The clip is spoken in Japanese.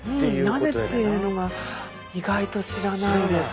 なぜっていうのが意外と知らないです。